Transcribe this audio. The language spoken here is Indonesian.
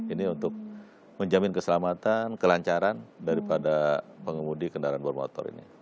ini untuk menjamin keselamatan kelancaran daripada pengemudi kendaraan bermotor ini